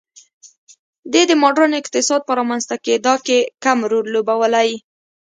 دې د ماډرن اقتصاد په رامنځته کېدا کې کم رول لوبولی.